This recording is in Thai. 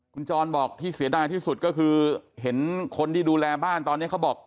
คุณจรบอกที่เสียดายที่สุดก็คือเห็นคนที่ดูแลบ้านตอนนี้เขาบอก